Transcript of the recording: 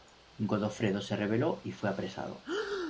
Godofredo se rebeló y fue apresado.